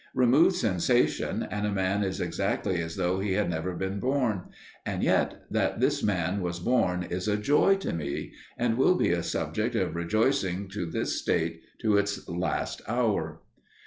Remove sensation, and a man is exactly as though he had never been born; and yet that this man was born is a joy to me, and will be a subject of rejoicing to this State to its last hour.